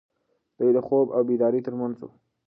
دی د خوب او بیدارۍ تر منځ و.